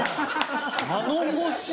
頼もしい！